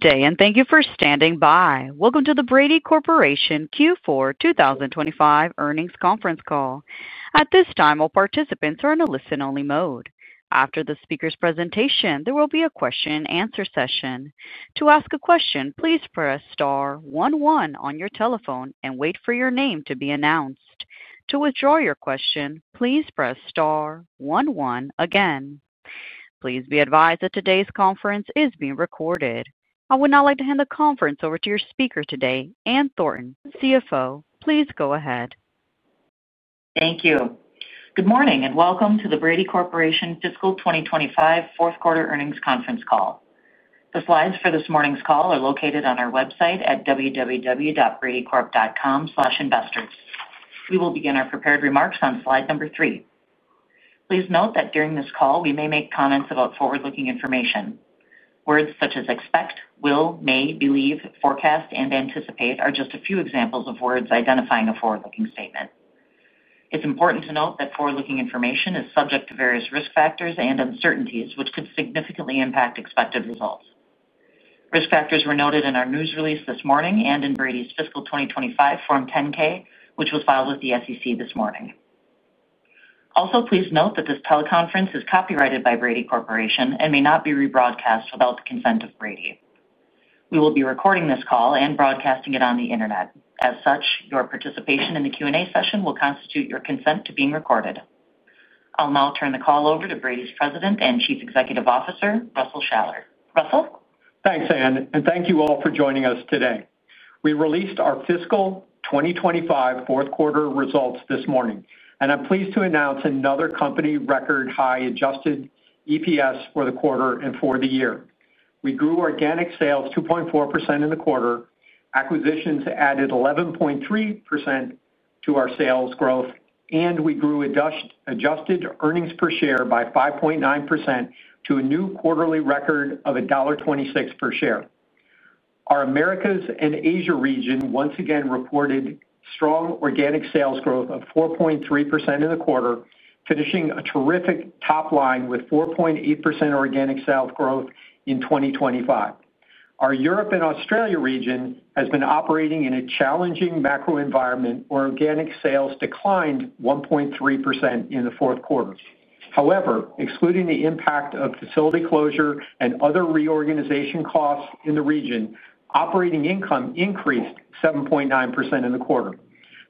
... day, and thank you for standing by. Welcome to the Brady Corporation Q4 2025 earnings conference call. At this time, all participants are in a listen-only mode. After the speaker's presentation, there will be a question and answer session. To ask a question, please press star one, one on your telephone and wait for your name to be announced. To withdraw your question, please press star one, one again. Please be advised that today's conference is being recorded. I would now like to hand the conference over to your speaker today, Ann Thornton, CFO. Please go ahead. Thank you. Good morning, and welcome to the Brady Corporation Fiscal 2025 fourth quarter earnings conference call. The slides for this morning's call are located on our website at www.bradycorp.com/investors. We will begin our prepared remarks on slide number three. Please note that during this call, we may make comments about forward-looking information. Words such as expect, will, may, believe, forecast, and anticipate are just a few examples of words identifying a forward-looking statement. It's important to note that forward-looking information is subject to various risk factors and uncertainties, which could significantly impact expected results. Risk factors were noted in our news release this morning and in Brady's fiscal 2025 Form 10-K, which was filed with the SEC this morning. Also, please note that this teleconference is copyrighted by Brady Corporation and may not be rebroadcast without the consent of Brady. We will be recording this call and broadcasting it on the Internet. As such, your participation in the Q&A session will constitute your consent to being recorded. I'll now turn the call over to Brady's President and Chief Executive Officer, Russell Shaller. Russell? Thanks, Ann, and thank you all for joining us today. We released our fiscal 2025 fourth quarter results this morning, and I'm pleased to announce another company record high adjusted EPS for the quarter and for the year. We grew organic sales 2.4% in the quarter. Acquisitions added 11.3% to our sales growth, and we grew adjusted earnings per share by 5.9% to a new quarterly record of $1.26 per share. Our Americas and Asia region once again reported strong organic sales growth of 4.3% in the quarter, finishing a terrific top line with 4.8% organic sales growth in 2025. Our Europe and Australia region has been operating in a challenging macro environment, where organic sales declined 1.3% in the fourth quarter. However, excluding the impact of facility closure and other reorganization costs in the region, operating income increased 7.9% in the quarter.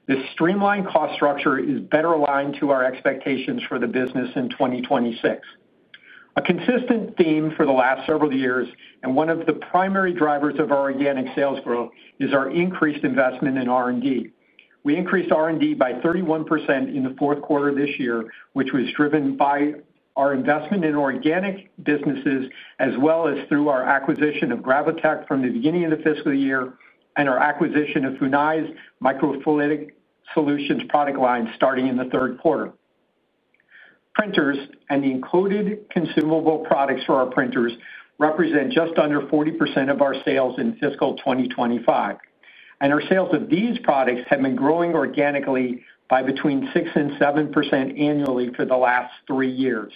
This streamlined cost structure is better aligned to our expectations for the business in 2026. A consistent theme for the last several years and one of the primary drivers of our organic sales growth is our increased investment in R&D. We increased R&D by 31% in the fourth quarter this year, which was driven by our investment in organic businesses, as well as through our acquisition of Gravotech from the beginning of the fiscal year and our acquisition of Funai's Microfluidic Solutions product line starting in the third quarter. Printers and the included consumable products for our printers represent just under 40% of our sales in fiscal 2025, and our sales of these products have been growing organically by between 6% and 7% annually for the last three years.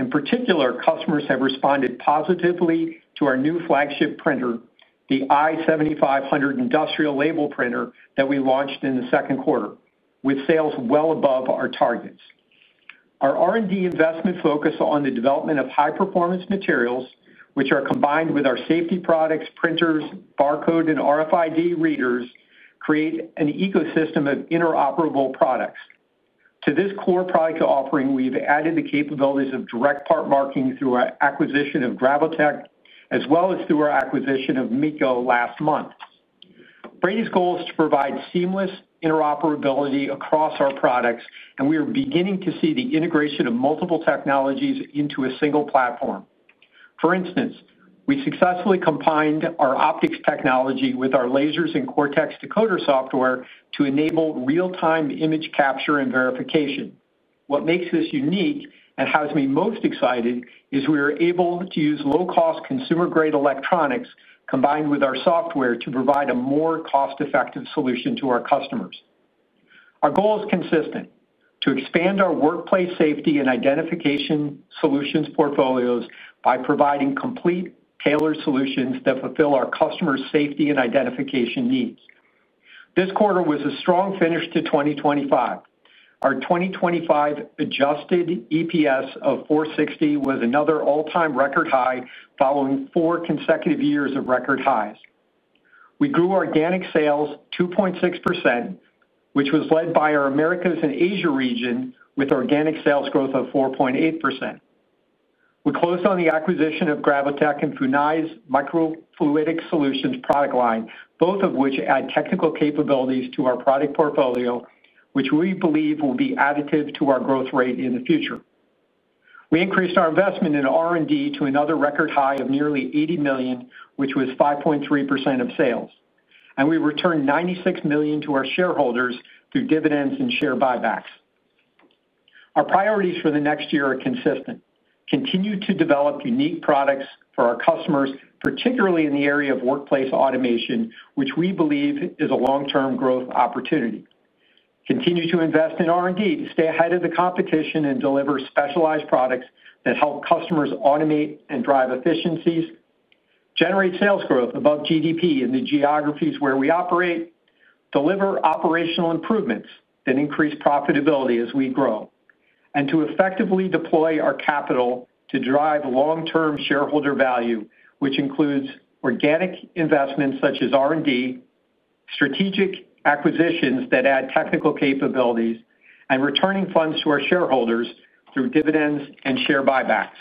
In particular, customers have responded positively to our new flagship printer, the i7500 industrial label printer, that we launched in the second quarter, with sales well above our targets. Our R&D investment focus on the development of high-performance materials, which are combined with our safety products, printers, barcode, and RFID readers, create an ecosystem of interoperable products. To this core product offering, we've added the capabilities of direct part marking through our acquisition of Gravotech, as well as through our acquisition of MECCO last month. Brady's goal is to provide seamless interoperability across our products, and we are beginning to see the integration of multiple technologies into a single platform. For instance, we successfully combined our optics technology with our lasers and Cortex decoder software to enable real-time image capture and verification. What makes this unique, and has me most excited, is we are able to use low-cost, consumer-grade electronics combined with our software to provide a more cost-effective solution to our customers. Our goal is consistent: to expand our workplace safety and identification solutions portfolios by providing complete tailored solutions that fulfill our customers' safety and identification needs. This quarter was a strong finish to 2025. Our 2025 Adjusted EPS of $4.60 was another all-time record high, following four consecutive years of record highs. We grew organic sales 2.6%, which was led by our Americas and Asia region, with organic sales growth of 4.8%. We closed on the acquisition of Gravotech and Funai's Microfluidic Solutions product line, both of which add technical capabilities to our product portfolio, which we believe will be additive to our growth rate in the future. We increased our investment in R&D to another record high of nearly $80 million, which was 5.3% of sales, and we returned $96 million to our shareholders through dividends and share buybacks. Our priorities for the next year are consistent. Continue to develop unique products for our customers, particularly in the area of workplace automation, which we believe is a long-term growth opportunity. Continue to invest in R&D to stay ahead of the competition and deliver specialized products that help customers automate and drive efficiencies, generate sales growth above GDP in the geographies where we operate, deliver operational improvements that increase profitability as we grow. To effectively deploy our capital to drive long-term shareholder value, which includes organic investments such as R&D, strategic acquisitions that add technical capabilities, and returning funds to our shareholders through dividends and share buybacks.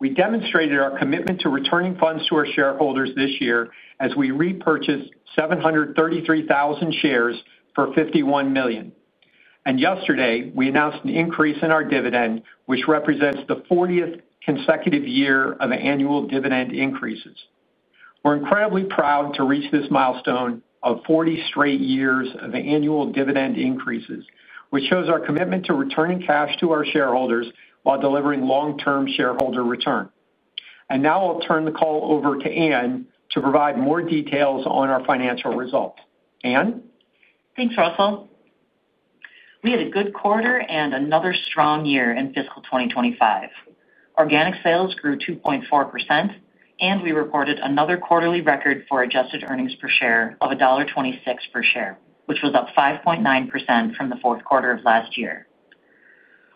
We demonstrated our commitment to returning funds to our shareholders this year as we repurchased 733,000 shares for $51 million. Yesterday, we announced an increase in our dividend, which represents the 40th consecutive year of annual dividend increases. We're incredibly proud to reach this milestone of 40 straight years of annual dividend increases, which shows our commitment to returning cash to our shareholders while delivering long-term shareholder return. Now I'll turn the call over to Ann to provide more details on our financial results. Ann? Thanks, Russell. We had a good quarter and another strong year in fiscal 2025. Organic sales grew 2.4%, and we reported another quarterly record for adjusted earnings per share of $1.26 per share, which was up 5.9% from the fourth quarter of last year.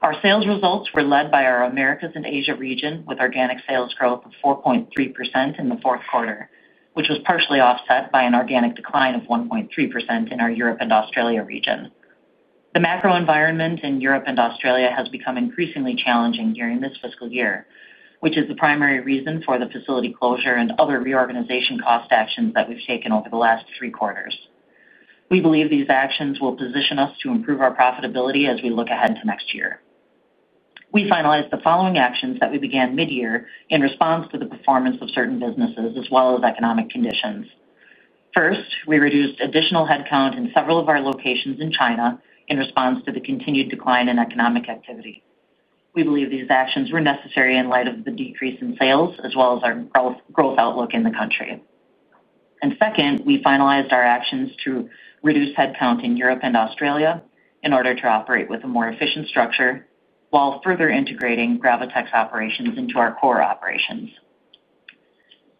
Our sales results were led by our Americas and Asia region, with organic sales growth of 4.3% in the fourth quarter, which was partially offset by an organic decline of 1.3% in our Europe and Australia region. The macro environment in Europe and Australia has become increasingly challenging during this fiscal year, which is the primary reason for the facility closure and other reorganization cost actions that we've taken over the last three quarters. We believe these actions will position us to improve our profitability as we look ahead to next year. We finalized the following actions that we began mid-year in response to the performance of certain businesses as well as economic conditions. First, we reduced additional headcount in several of our locations in China in response to the continued decline in economic activity. We believe these actions were necessary in light of the decrease in sales as well as our growth outlook in the country, and second, we finalized our actions to reduce headcount in Europe and Australia in order to operate with a more efficient structure while further integrating Gravotech's operations into our core operations.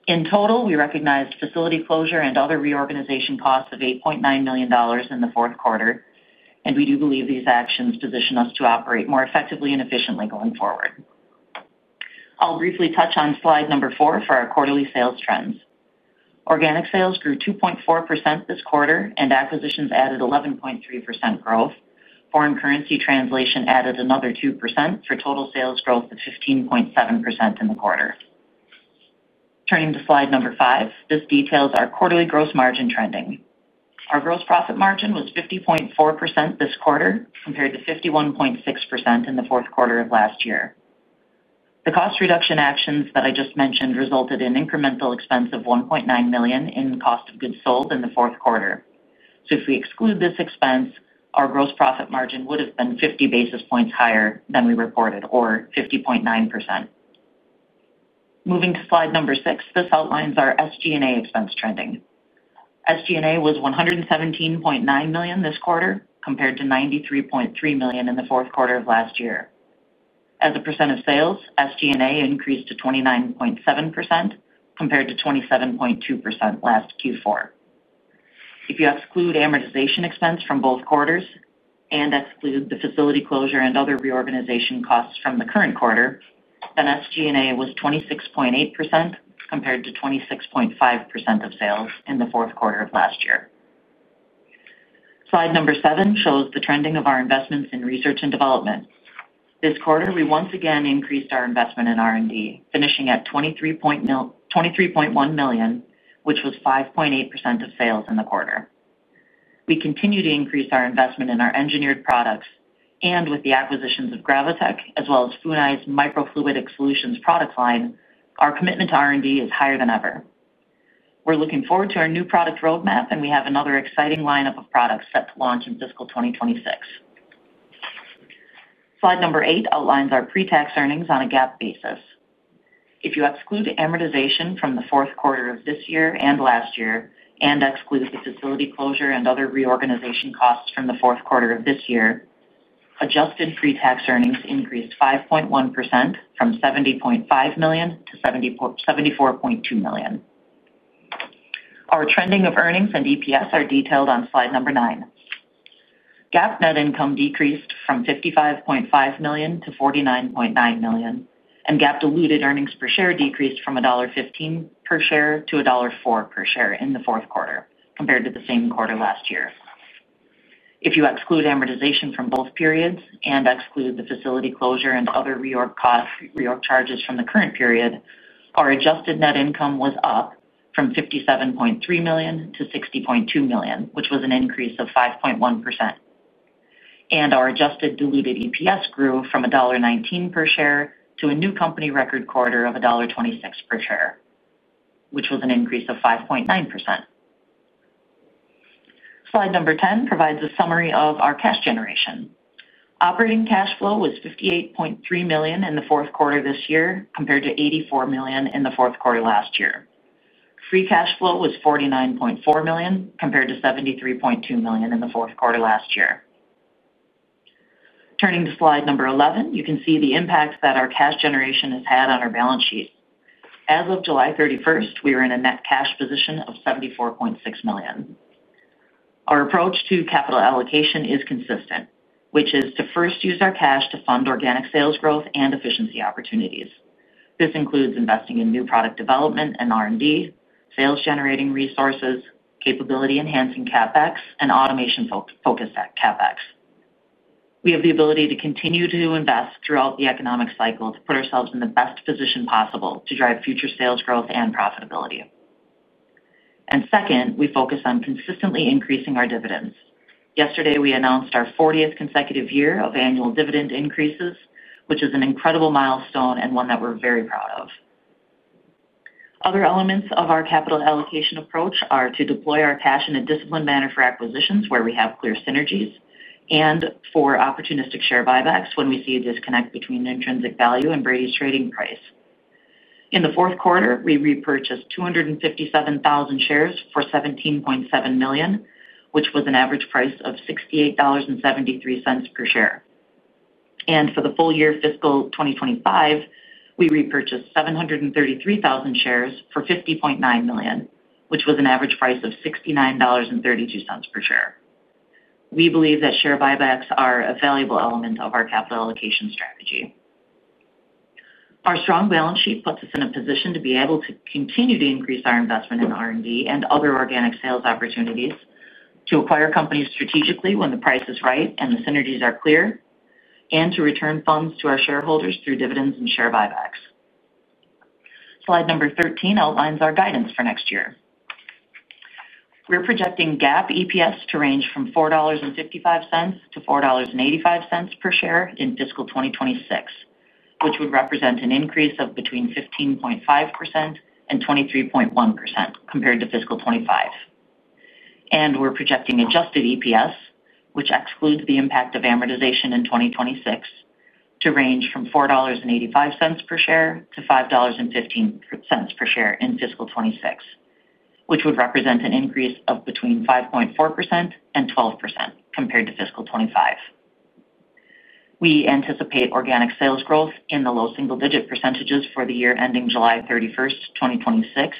In total, we recognized facility closure and other reorganization costs of $8.9 million in the fourth quarter, and we do believe these actions position us to operate more effectively and efficiently going forward. I'll briefly touch on slide number four for our quarterly sales trends. Organic sales grew 2.4% this quarter, and acquisitions added 11.3% growth. Foreign currency translation added another 2% for total sales growth of 15.7% in the quarter. Turning to slide number five, this details our quarterly gross margin trending. Our gross profit margin was 50.4% this quarter, compared to 51.6% in the fourth quarter of last year. The cost reduction actions that I just mentioned resulted in incremental expense of $1.9 million in cost of goods sold in the fourth quarter. So if we exclude this expense, our gross profit margin would have been 50 basis points higher than we reported, or 50.9%. Moving to slide number six, this outlines our SG&A expense trending. SG&A was $117.9 million this quarter, compared to $93.3 million in the fourth quarter of last year. As a percent of sales, SG&A increased to 29.7%, compared to 27.2% last Q4. If you exclude amortization expense from both quarters and exclude the facility closure and other reorganization costs from the current quarter, then SG&A was 26.8%, compared to 26.5% of sales in the fourth quarter of last year. Slide number seven shows the trending of our investments in research and development. This quarter, we once again increased our investment in R&D, finishing at $23.1 million, which was 5.8% of sales in the quarter. We continue to increase our investment in our engineered products and with the acquisitions of Gravotech, as well as Funai's Microfluidic Solutions product line, our commitment to R&D is higher than ever. We're looking forward to our new product roadmap, and we have another exciting lineup of products set to launch in fiscal 2026. Slide number eight outlines our pre-tax earnings on a GAAP basis. If you exclude amortization from the fourth quarter of this year and last year, and exclude the facility closure and other reorganization costs from the fourth quarter of this year, adjusted pre-tax earnings increased 5.1% from $70.5 million-$74.2 million. Our trending of earnings and EPS are detailed on slide number nine. GAAP net income decreased from $55.5 million-$49.9 million, and GAAP diluted earnings per share decreased from $1.15 per share-$1.04 per share in the fourth quarter, compared to the same quarter last year. If you exclude amortization from both periods and exclude the facility closure and other reorg costs, reorg charges from the current period, our adjusted net income was up from $57.3 million-$60.2 million, which was an increase of 5.1%. Our adjusted diluted EPS grew from $1.19 per share to a new company record quarter of $1.26 per share, which was an increase of 5.9%. Slide number 10 provides a summary of our cash generation. Operating cash flow was $58.3 million in the fourth quarter this year, compared to $84 million in the fourth quarter last year. Free cash flow was $49.4 million, compared to $73.2 million in the fourth quarter last year. Turning to slide number 11, you can see the impact that our cash generation has had on our balance sheet. As of July 31st, we are in a net cash position of $74.6 million. Our approach to capital allocation is consistent, which is to first use our cash to fund organic sales growth and efficiency opportunities. This includes investing in new product development and R&D, sales-generating resources, capability-enhancing CapEx, and automation-focused CapEx. We have the ability to continue to invest throughout the economic cycle to put ourselves in the best position possible to drive future sales growth and profitability, and second, we focus on consistently increasing our dividends. Yesterday, we announced our fortieth consecutive year of annual dividend increases, which is an incredible milestone and one that we're very proud of. Other elements of our capital allocation approach are to deploy our cash in a disciplined manner for acquisitions where we have clear synergies and for opportunistic share buybacks when we see a disconnect between the intrinsic value and Brady's trading price. In the fourth quarter, we repurchased 257,000 shares for $17.7 million, which was an average price of $68.73 per share. For the full year fiscal 2025, we repurchased 733,000 shares for $50.9 million, which was an average price of $69.32 per share. We believe that share buybacks are a valuable element of our capital allocation strategy. Our strong balance sheet puts us in a position to be able to continue to increase our investment in R&D and other organic sales opportunities, to acquire companies strategically when the price is right and the synergies are clear, and to return funds to our shareholders through dividends and share buybacks. Slide number 13 outlines our guidance for next year. We're projecting GAAP EPS to range from $4.55-$4.85 per share in fiscal 2026, which would represent an increase of between 15.5% and 23.1% compared to fiscal 2025. We’re projecting adjusted EPS, which excludes the impact of amortization in 2026, to range from $4.85 per share-$5.15 per share in fiscal 2026, which would represent an increase of between 5.4% and 12% compared to fiscal 2025. We anticipate organic sales growth in the low single-digit percentage for the year ending July 31st, 2026.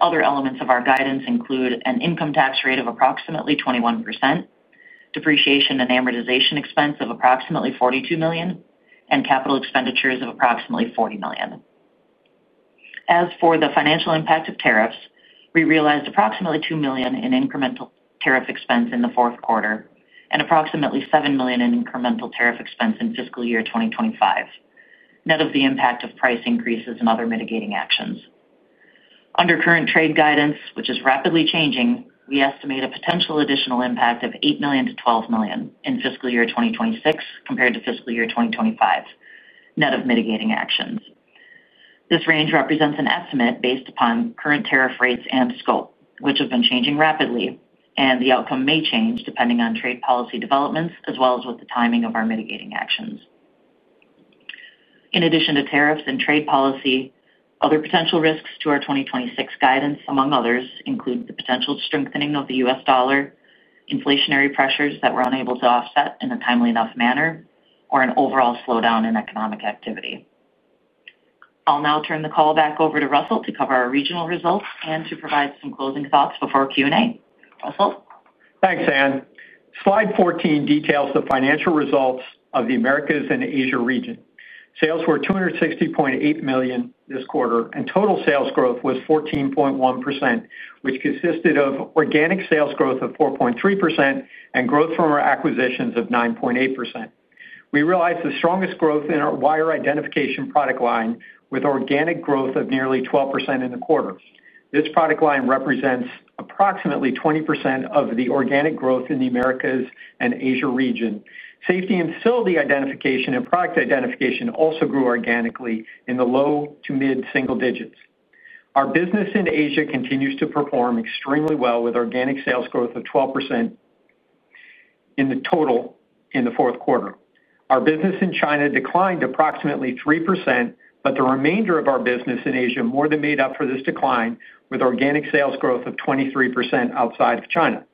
Other elements of our guidance include an income tax rate of approximately 21%, depreciation and amortization expense of approximately $42 million, and capital expenditures of approximately $40 million. As for the financial impact of tariffs, we realized approximately $2 million in incremental tariff expense in the fourth quarter and approximately $7 million in incremental tariff expense in fiscal year 2025, net of the impact of price increases and other mitigating actions. Under current trade guidance, which is rapidly changing, we estimate a potential additional impact of $8 million-$12 million in fiscal year 2026 compared to fiscal year 2025, net of mitigating actions. This range represents an estimate based upon current tariff rates and scope, which have been changing rapidly, and the outcome may change depending on trade policy developments as well as with the timing of our mitigating actions. In addition to tariffs and trade policy, other potential risks to our 2026 guidance, among others, include the potential strengthening of the U.S. dollar, inflationary pressures that we're unable to offset in a timely enough manner, or an overall slowdown in economic activity. I'll now turn the call back over to Russell to cover our regional results and to provide some closing thoughts before Q&A. Russell? Thanks, Ann. Slide 14 details the financial results of the Americas and Asia region. Sales were $260.8 million this quarter, and total sales growth was 14.1%, which consisted of organic sales growth of 4.3% and growth from our acquisitions of 9.8%. We realized the strongest growth in our wire identification product line, with organic growth of nearly 12% in the quarter. This product line represents approximately 20% of the organic growth in the Americas and Asia region. Safety and facility identification and product identification also grew organically in the low- to mid-single digits. Our business in Asia continues to perform extremely well, with organic sales growth of 12% in the total in the fourth quarter. Our business in China declined approximately 3%, but the remainder of our business in Asia more than made up for this decline, with organic sales growth of 23% outside of China.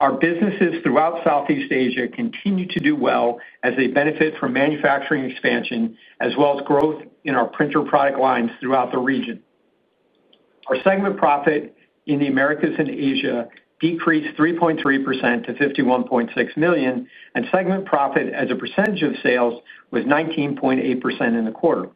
Our businesses throughout Southeast Asia continue to do well as they benefit from manufacturing expansion, as well as growth in our printer product lines throughout the region. Our segment profit in the Americas and Asia decreased 3.3% to $51.6 million, and segment profit as a percentage of sales was 19.8% in the quarter.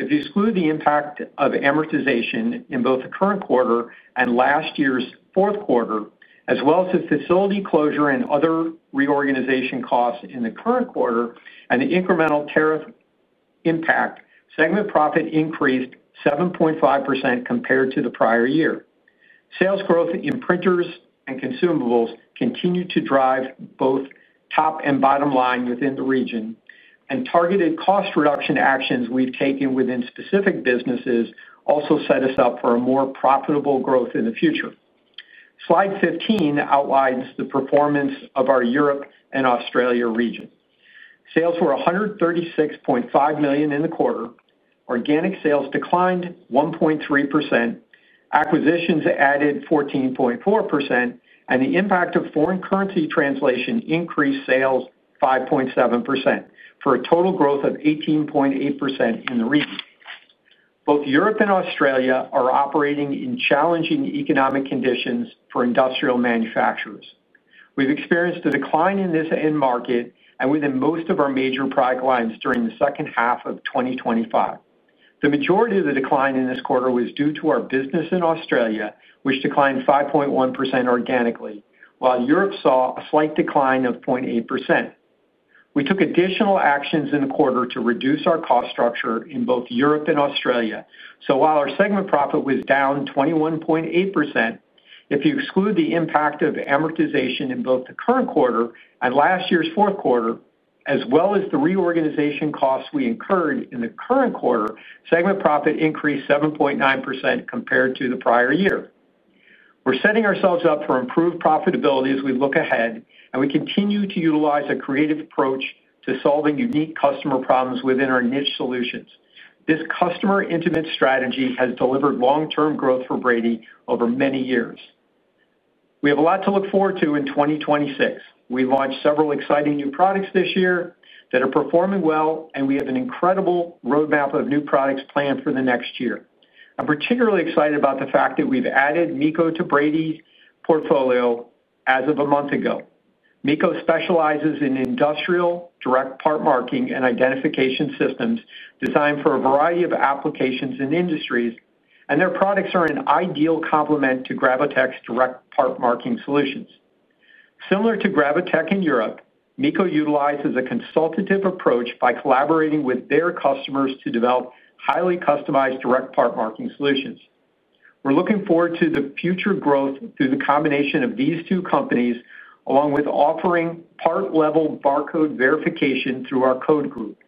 If you exclude the impact of amortization in both the current quarter and last year's fourth quarter, as well as the facility closure and other reorganization costs in the current quarter and the incremental tariff impact, segment profit increased 7.5% compared to the prior year. Sales growth in printers and consumables continued to drive both top and bottom line within the region, and targeted cost reduction actions we've taken within specific businesses also set us up for a more profitable growth in the future. Slide 15 outlines the performance of our Europe and Australia region. Sales were $136.5 million in the quarter. Organic sales declined 1.3%, acquisitions added 14.4%, and the impact of foreign currency translation increased sales 5.7%, for a total growth of 18.8% in the region. Both Europe and Australia are operating in challenging economic conditions for industrial manufacturers. We've experienced a decline in this end market and within most of our major product lines during the second half of 2025. The majority of the decline in this quarter was due to our business in Australia, which declined 5.1% organically, while Europe saw a slight decline of 0.8%. We took additional actions in the quarter to reduce our cost structure in both Europe and Australia. So while our segment profit was down 21.8%, if you exclude the impact of amortization in both the current quarter and last year's fourth quarter, as well as the reorganization costs we incurred in the current quarter, segment profit increased 7.9% compared to the prior year. We're setting ourselves up for improved profitability as we look ahead, and we continue to utilize a creative approach to solving unique customer problems within our niche solutions. This customer-intimate strategy has delivered long-term growth for Brady over many years. We have a lot to look forward to in 2026. We've launched several exciting new products this year that are performing well, and we have an incredible roadmap of new products planned for the next year. I'm particularly excited about the fact that we've added MECCO to Brady's portfolio as of a month ago. MECCO specializes in industrial direct part marking and identification systems designed for a variety of applications and industries, and their products are an ideal complement to Gravotech's direct part marking solutions. Similar to Gravotech in Europe, MECCO utilizes a consultative approach by collaborating with their customers to develop highly customized direct part marking solutions. We're looking forward to the future growth through the combination of these two companies, along with offering part-level barcode verification through our Code Group.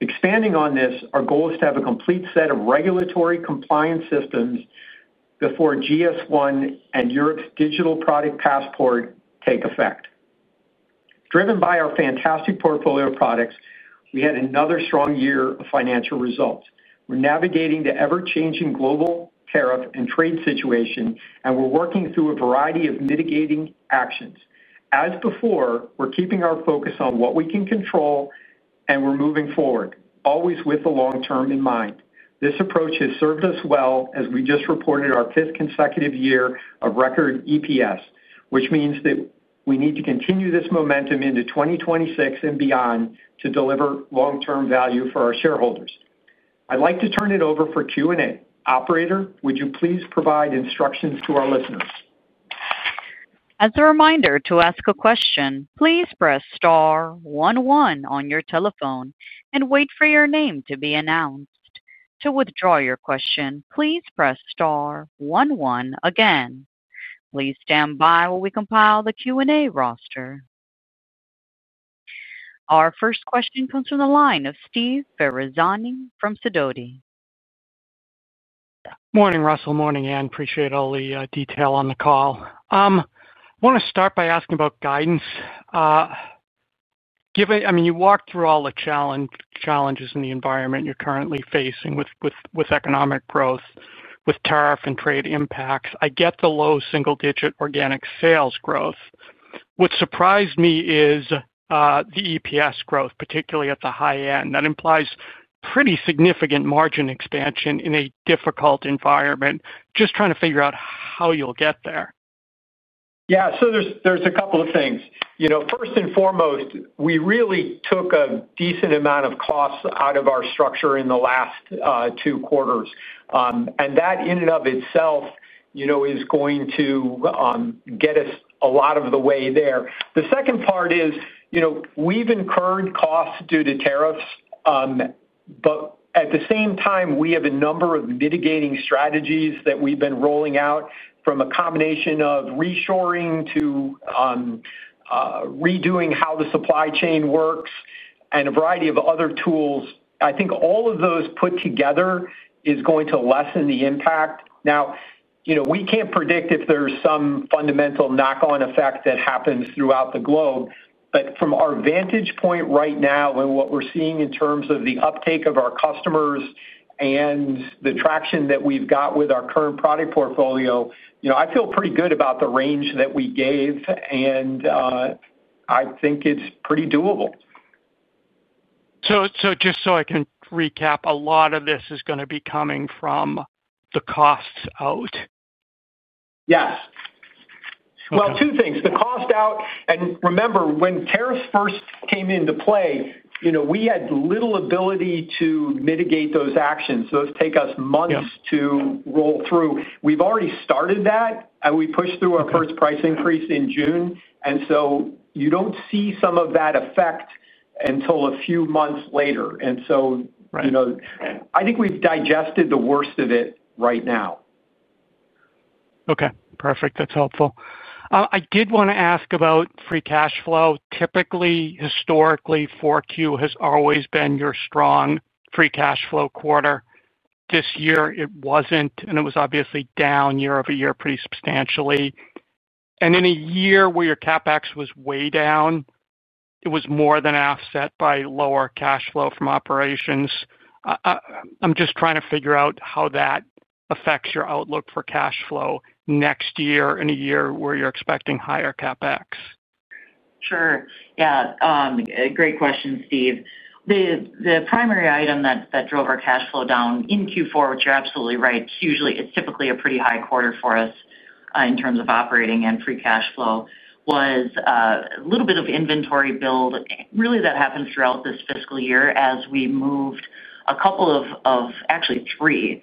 Expanding on this, our goal is to have a complete set of regulatory compliance systems before GS1 and Europe's Digital Product Passport take effect. Driven by our fantastic portfolio of products, we had another strong year of financial results. We're navigating the ever-changing global tariff and trade situation, and we're working through a variety of mitigating actions. As before, we're keeping our focus on what we can control, and we're moving forward, always with the long term in mind. This approach has served us well as we just reported our fifth consecutive year of record EPS, which means that we need to continue this momentum into 2026 and beyond to deliver long-term value for our shareholders. I'd like to turn it over for Q&A. Operator, would you please provide instructions to our listeners? As a reminder, to ask a question, please press star one, one on your telephone and wait for your name to be announced. To withdraw your question, please press star one, one again. Please stand by while we compile the Q&A roster. Our first question comes from the line of Steve Ferazani from Sidoti. Morning, Russell. Morning, Ann. Appreciate all the detail on the call. I want to start by asking about guidance. Given... I mean, you walked through all the challenges in the environment you're currently facing with economic growth, with tariff and trade impacts. I get the low single-digit organic sales growth. What surprised me is the EPS growth, particularly at the high end. That implies pretty significant margin expansion in a difficult environment. Just trying to figure out how you'll get there. Yeah, so there's a couple of things. You know, first and foremost, we really took a decent amount of costs out of our structure in the last two quarters, and that in and of itself, you know, is going to get us a lot of the way there. The second part is, you know, we've incurred costs due to tariffs, but at the same time, we have a number of mitigating strategies that we've been rolling out from a combination of reshoring to redoing how the supply chain works and a variety of other tools. I think all of those put together is going to lessen the impact. Now, you know, we can't predict if there's some fundamental knock-on effect that happens throughout the globe, but from our vantage point right now and what we're seeing in terms of the uptake of our customers and the traction that we've got with our current product portfolio, you know, I feel pretty good about the range that we gave, and I think it's pretty doable. So, just so I can recap, a lot of this is gonna be coming from the costs out? Yes. Well, two things: the cost out, and remember, when tariffs first came into play, you know, we had little ability to mitigate those actions, those take us months- Yeah... to roll through. We've already started that, and we pushed through our first price increase in June, and so you don't see some of that effect until a few months later, and so- Right... you know, I think we've digested the worst of it right now. Okay, perfect. That's helpful. I did want to ask about free cash flow. Typically, historically, Q4 has always been your strong free cash flow quarter. This year, it wasn't, and it was obviously down year-over-year, pretty substantially, and in a year where your CapEx was way down, it was more than offset by lower cash flow from operations. I'm just trying to figure out how that affects your outlook for cash flow next year, in a year where you're expecting higher CapEx. Sure. Yeah, great question, Steve. The primary item that drove our cash flow down in Q4, which you're absolutely right, usually it's typically a pretty high quarter for us in terms of operating and free cash flow, was a little bit of inventory build. Really, that happened throughout this fiscal year as we moved a couple of-- actually three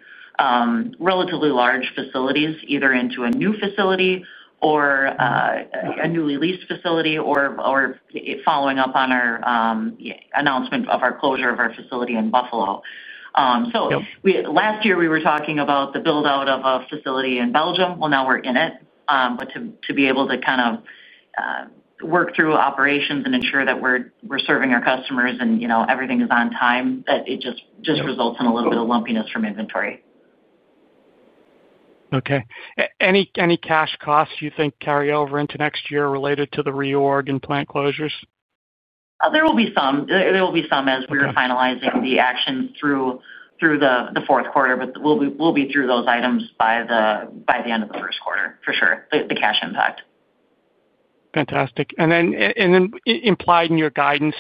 relatively large facilities, either into a new facility or a newly leased facility or following up on our announcement of our closure of our facility in Buffalo. So- Yep. Last year, we were talking about the build-out of a facility in Belgium. Now we're in it to be able to kind of work through operations and ensure that we're serving our customers and, you know, everything is on time, that it just results in a little bit of lumpiness from inventory. Okay. Any cash costs you think carry over into next year related to the reorg and plant closures? There will be some as we are finalizing the action through the fourth quarter, but we'll be through those items by the end of the first quarter, for sure, the cash impact. Fantastic. Then, implied in your guidance,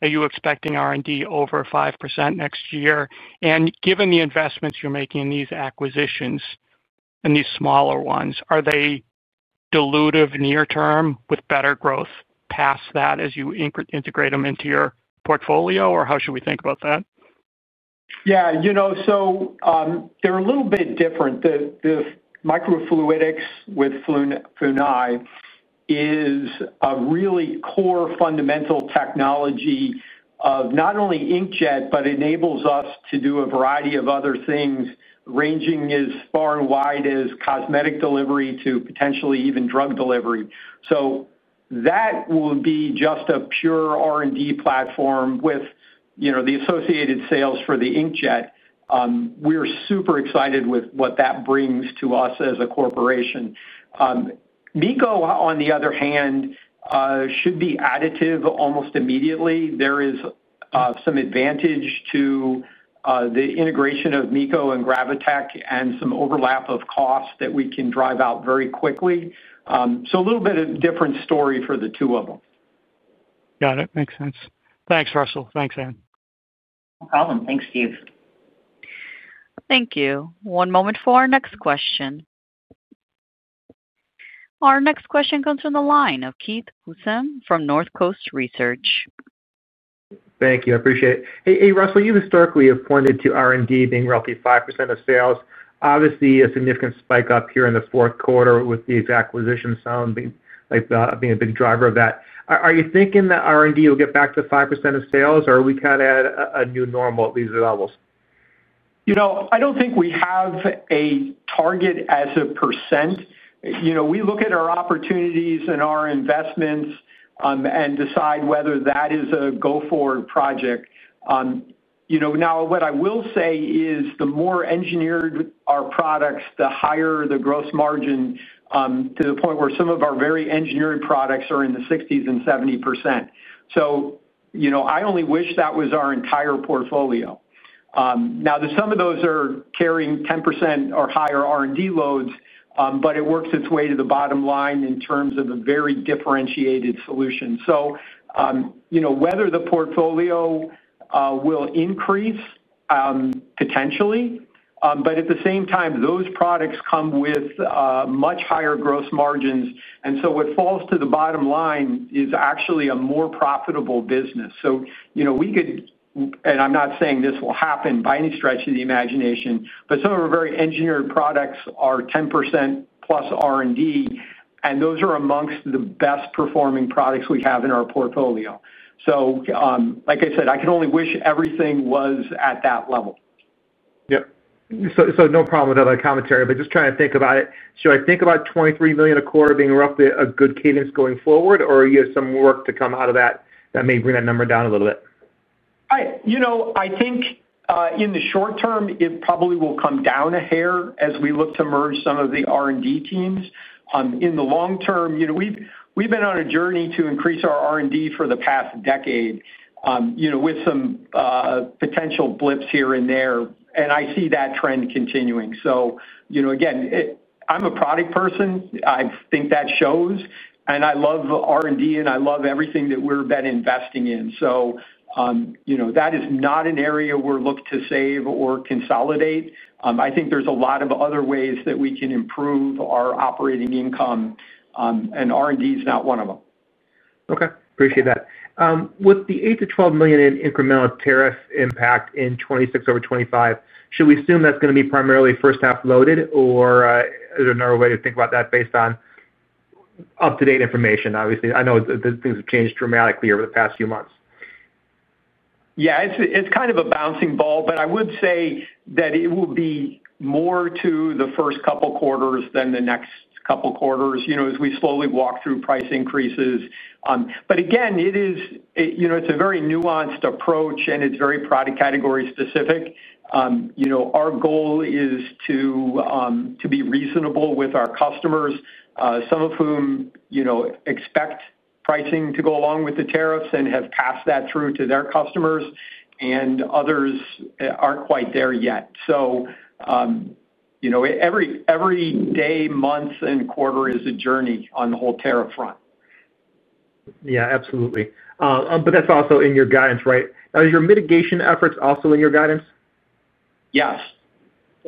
are you expecting R&D over 5% next year? Given the investments you're making in these acquisitions and these smaller ones, are they dilutive near term with better growth past that, as you integrate them into your portfolio or how should we think about that? Yeah, you know, they're a little bit different. The microfluidics with Funai is a really core fundamental technology of not only inkjet, but enables us to do a variety of other things, ranging as far and wide as cosmetic delivery to potentially even drug delivery. So that will be just a pure R&D platform with, you know, the associated sales for the inkjet. We're super excited with what that brings to us as a corporation. MECCO, on the other hand, should be additive almost immediately. There is some advantage to the integration of MECCO and Gravotech and some overlap of costs that we can drive out very quickly, so a little bit of different story for the two of them. Got it. Makes sense. Thanks, Russell. Thanks, Ann. No problem. Thanks, Steve. Thank you. One moment for our next question. Our next question comes from the line of Keith Housum from North Coast Research. Thank you. I appreciate it. Hey, Russell, you historically have pointed to R&D being roughly 5% of sales. Obviously, a significant spike up here in the fourth quarter with these acquisitions sounding like being a big driver of that. Are you thinking that R&D will get back to 5% of sales, or are we kind of at a new normal at these levels? You know, I don't think we have a target as a percent. You know, we look at our opportunities and our investments, and decide whether that is a go-forward project. You know, now, what I will say is, the more engineered our products, the higher the gross margin, to the point where some of our very engineered products are in the 60% and 70%. So, you know, I only wish that was our entire portfolio. Now, some of those are carrying 10% or higher R&D loads, but it works its way to the bottom line in terms of a very differentiated solution. So, you know, whether the portfolio will increase, potentially, but at the same time, those products come with much higher gross margins, and so what falls to the bottom line is actually a more profitable business. So, you know, we could, and I'm not saying this will happen by any stretch of the imagination, but some of our very engineered products are 10%+ R&D, and those are among the best performing products we have in our portfolio. So, like I said, I can only wish everything was at that level. Yep. So no problem with other commentary, but just trying to think about it. Should I think about $23 million a quarter being roughly a good cadence going forward, or you have some work to come out of that may bring that number down a little bit? You know, I think in the short term, it probably will come down a hair as we look to merge some of the R&D teams. In the long term, you know, we've been on a journey to increase our R&D for the past decade, with some potential blips here and there, and I see that trend continuing, so you know, again, I'm a product person. I think that shows, and I love R&D, and I love everything that we've been investing in, so you know, that is not an area we're looked to save or consolidate. I think there's a lot of other ways that we can improve our operating income, and R&D is not one of them. Okay. Appreciate that. With the $8-$12 million in incremental tariff impact in 2026 over 2025, should we assume that's going to be primarily first-half loaded, or is there another way to think about that based on up-to-date information? Obviously, I know things have changed dramatically over the past few months. ...Yeah, it's kind of a bouncing ball, but I would say that it will be more to the first couple quarters than the next couple quarters, you know, as we slowly walk through price increases. But again, it is, you know, it's a very nuanced approach, and it's very product category specific. You know, our goal is to be reasonable with our customers, some of whom, you know, expect pricing to go along with the tariffs and have passed that through to their customers, and others aren't quite there yet. So, you know, every day, month, and quarter is a journey on the whole tariff front. Yeah, absolutely. But that's also in your guidance, right? Are your mitigation efforts also in your guidance? Yes.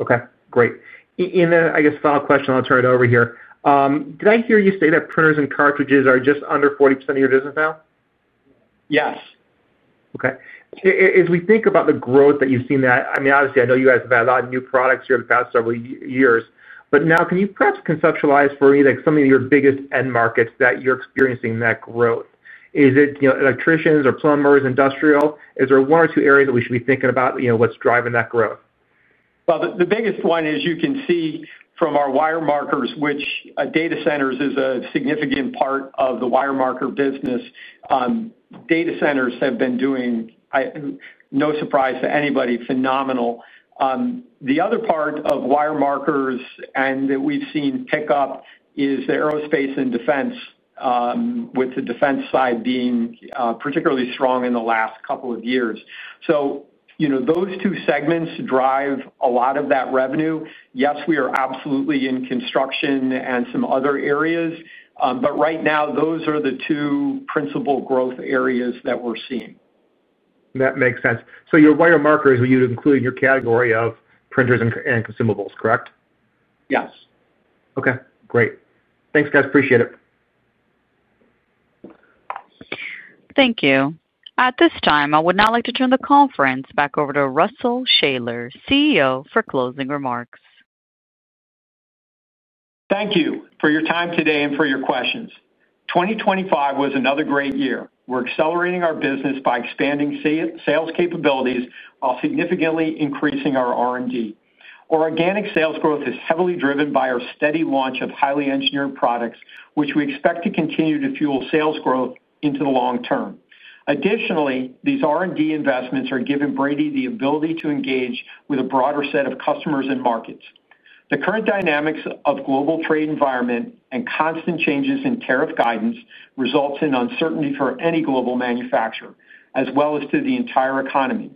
Okay, great. Then, I guess, final question, I'll turn it over here. Did I hear you say that printers and cartridges are just under 40% of your business now? Yes. Okay. As we think about the growth that you've seen that... I mean, obviously, I know you guys have had a lot of new products here in the past several years, but now can you perhaps conceptualize for me, like, some of your biggest end markets that you're experiencing that growth? Is it, you know, electricians or plumbers, industrial? Is there one or two areas that we should be thinking about, you know, what's driving that growth? The biggest one is you can see from our wire markers, which data centers is a significant part of the wire marker business. Data centers have been doing, no surprise to anybody, phenomenal. The other part of wire markers, and that we've seen pick up, is the aerospace and defense, with the defense side being particularly strong in the last couple of years, so you know, those two segments drive a lot of that revenue. Yes, we are absolutely in construction and some other areas, but right now, those are the two principal growth areas that we're seeing. That makes sense. So your wire markers, you include in your category of printers and consumables, correct? Yes. Okay, great. Thanks, guys. Appreciate it. Thank you. At this time, I would now like to turn the conference back over to Russell Shaller, CEO, for closing remarks. Thank you for your time today and for your questions. 2025 was another great year. We're accelerating our business by expanding sales capabilities, while significantly increasing our R&D. Our organic sales growth is heavily driven by our steady launch of highly engineered products, which we expect to continue to fuel sales growth into the long term. Additionally, these R&D investments are giving Brady the ability to engage with a broader set of customers and markets. The current dynamics of global trade environment and constant changes in tariff guidance results in uncertainty for any global manufacturer, as well as to the entire economy.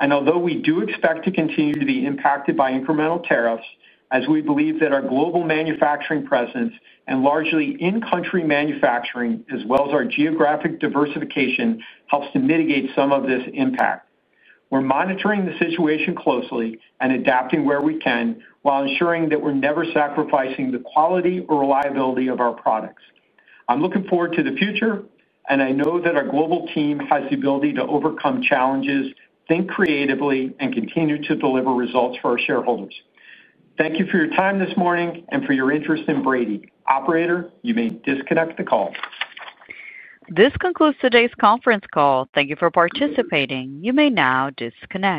Although we do expect to continue to be impacted by incremental tariffs, as we believe that our global manufacturing presence and largely in-country manufacturing, as well as our geographic diversification, helps to mitigate some of this impact. We're monitoring the situation closely and adapting where we can, while ensuring that we're never sacrificing the quality or reliability of our products. I'm looking forward to the future, and I know that our global team has the ability to overcome challenges, think creatively, and continue to deliver results for our shareholders. Thank you for your time this morning, and for your interest in Brady. Operator, you may disconnect the call. This concludes today's conference call. Thank you for participating. You may now disconnect.